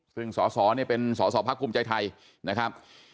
ซึ่งสสนี่เป็นสสผศคุมใจไทยนะครับ